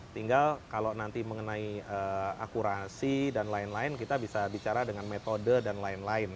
tinggal kalau nanti mengenai akurasi dan lain lain kita bisa bicara dengan metode dan lain lain